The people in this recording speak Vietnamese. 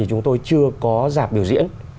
chúng tôi chưa có giảm biểu diễn